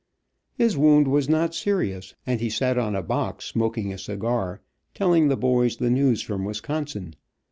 His wound was not serious, and he sat on a box, smoking a cigar, telling the boys the news from Wisconsin.